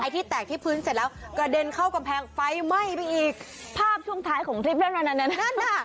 ที่แตกที่พื้นเสร็จแล้วกระเด็นเข้ากำแพงไฟไหม้ไปอีกภาพช่วงท้ายของคลิปนั่นนั่นน่ะ